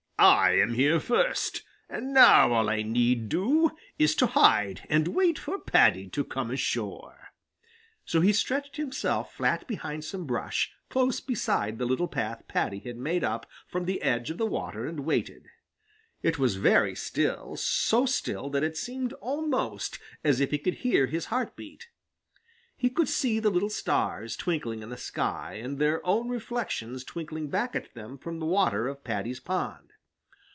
"I am here first, and now all I need do is to hide and wait for Paddy to come ashore." So he stretched himself flat behind some brush close beside the little path Paddy had made up from the edge of the water and waited. It was very still, so still that it seemed almost as if he could hear his heart beat. He could see the little stars twinkling in the sky and their own reflections twinkling back at them from the water of Paddy's pond.